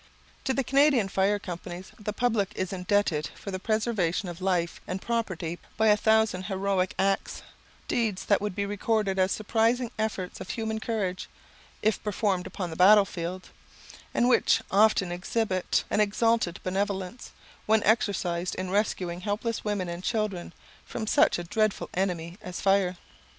To the Canadian fire companies the public is indebted for the preservation of life and property by a thousand heroic acts; deeds, that would be recorded as surprising efforts of human courage, if performed upon the battlefield; and which often exhibit an exalted benevolence, when exercised in rescuing helpless women and children from such a dreadful enemy as fire.